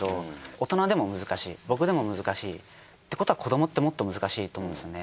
大人でも難しい僕でも難しい。ってことは子どもってもっと難しいと思うんですよね。